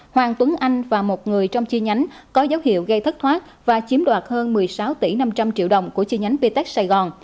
hoàng tuấn anh và một người trong chi nhánh có dấu hiệu gây thất thoát và chiếm đoạt hơn một mươi sáu tỷ năm trăm linh triệu đồng của chi nhánh ptech sài gòn